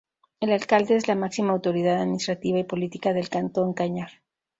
El Alcalde es la máxima autoridad administrativa y política del Cantón Cañar.